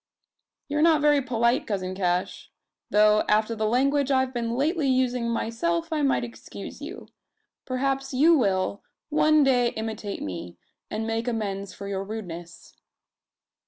"You're not very polite, cousin Cash; though, after the language I've been lately using myself, I might excuse you. Perhaps you will, one day imitate me, and make amends for your rudeness."